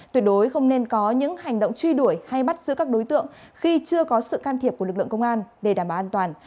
tuyệt đối không nên có những hành động truy đuổi hay bắt giữ các đối tượng khi chưa có sự can thiệp của lực lượng công an để đảm bảo an toàn